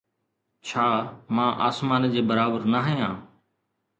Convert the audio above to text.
ڇا مان آسمان جي برابر نه آهيان؟